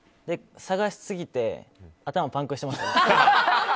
探しすぎて頭パンクしてます。